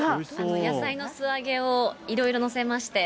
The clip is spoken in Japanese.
野菜の素揚げをいろいろ載せまして。